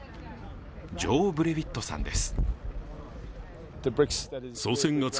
ジョー・ブレウィットさんです。